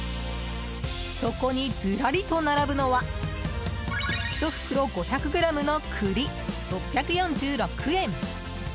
そこにずらりと並ぶのは１袋５００ｇの栗、６４６円。